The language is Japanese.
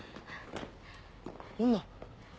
女。